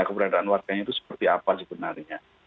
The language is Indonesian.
keberadaan warganya itu seperti apa sebenarnya